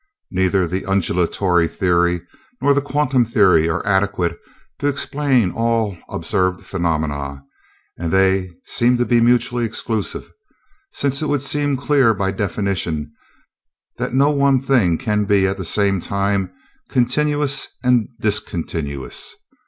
Neither the undulatory theory nor the quantum theory are adequate to explain all observed phenomena, and they seem to be mutually exclusive, since it would seem clear by definition that no one thing can be at the same time continuous and discontinuous.